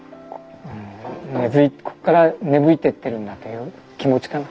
ここから芽吹いてってるんだという気持ちかな。